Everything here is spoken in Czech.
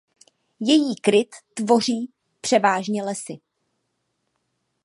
Její kryt tvoří převážně lesy.